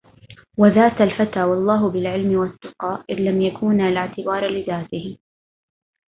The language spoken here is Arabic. وذات الفتى والله بالعلم والتقى... إذا لم يكونا لا اعتبار لذاته